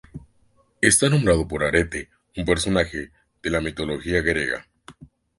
Está nombrado por Arete, un personaje de la mitología griega.